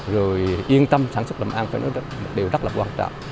rồi yên tâm sản xuất làm ăn phải nói là một điều rất là quả